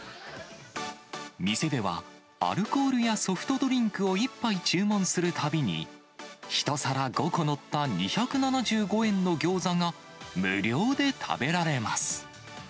店では、アルコールやソフトドリンクを１杯注文するたびに、１皿５個載った２７５円の餃子が無料で食べられます。